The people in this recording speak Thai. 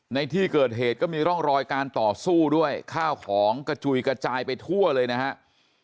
ในที่เกิดเหตุก็มีร่องรอยการต่อสู้ด้วยข้าวของกระจุยกระจายไปทั่วเลยนะครับ